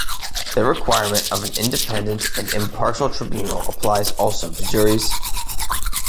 The requirement of an independent and impartial tribunal applies also to juries.